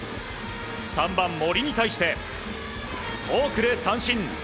３番、森に対してフォークで三振。